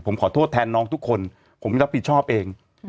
ผมขอโทษแทนน้องทุกคนผมรับผิดชอบเอง